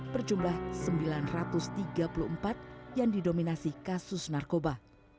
berjumlah sembilan ratus tiga puluh empat yang didominasi kasus narkoba